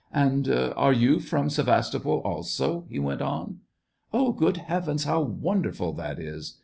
" And are you from Sevastopol also }" he went on. " Oh, good Heavens, how wonderful that is